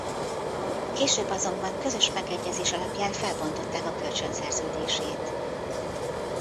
Később azonban közös megegyezés alapján felbontották a kölcsönszerződését.